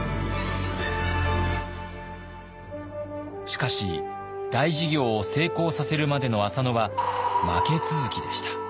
しかし大事業を成功させるまでの浅野は負け続きでした。